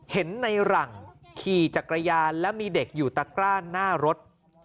เห็นในหลังขี่จักรยานแล้วมีเด็กอยู่ตะกร้าหน้ารถ